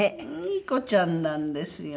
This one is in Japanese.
いい子ちゃんなんですよ。